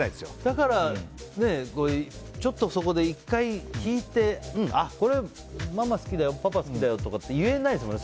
だから、そこで１回引いてこれ、ママ好きだよパパ好きだよとか言えないですもんね